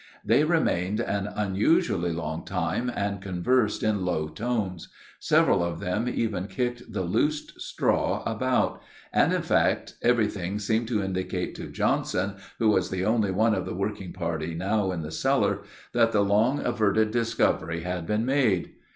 They remained an unusually long time and conversed in low tones; several of them even kicked the loose straw about; and in fact everything seemed to indicate to Johnson who was the only one of the working party now in the cellar that the long averted discovery had been made.